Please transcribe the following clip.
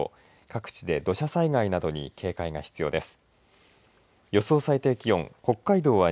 各地で土砂災害などに警戒が必要です。